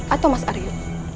atau mas aryu